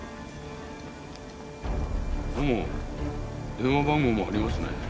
電話番号もありますね。